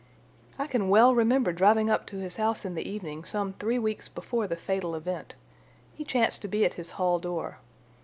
"I can well remember driving up to his house in the evening some three weeks before the fatal event. He chanced to be at his hall door.